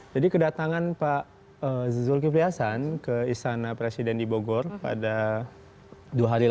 jadi kedatangan pak zul kipri hasan ke istana presiden di bogor pada dua hari lalu